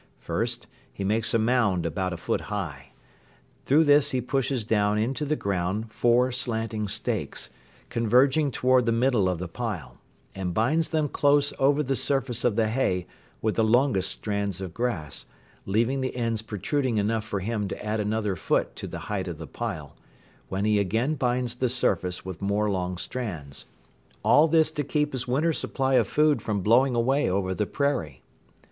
First he makes a mound about a foot high. Through this he pushes down into the ground four slanting stakes, converging toward the middle of the pile, and binds them close over the surface of the hay with the longest strands of grass, leaving the ends protruding enough for him to add another foot to the height of the pile, when he again binds the surface with more long strands all this to keep his winter supply of food from blowing away over the prairie.